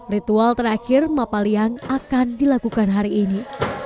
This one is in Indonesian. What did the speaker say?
ritual terakhir mapa liang akan dilakukan hari ini